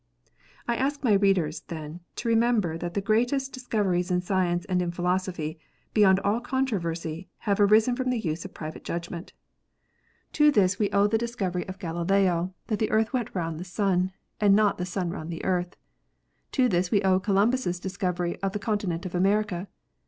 I ask my readers, then, to remember that the greatest dis coveries in science and in philosophy, beyond all controversy, have arisen from the use of private judgment. To this we owe D 50 KNOTS UNTIED. the discovery of Galileo, that the earth went round the sun, and not the sun round the earth. To this we owe Columbus discovery of the continent of America.